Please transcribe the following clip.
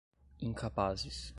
incapazes